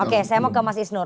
oke saya mau ke mas isnur